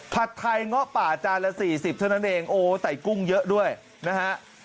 ผัดไทยเงาะป่าจานละ๔๐เท่านั้นเองโอ้ใส่กุ้งเยอะด้วยนะฮะ